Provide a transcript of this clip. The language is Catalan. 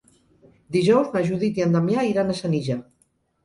Dijous na Judit i en Damià iran a Senija.